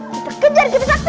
kita kejar kipas sakti